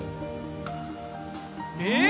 えっ！？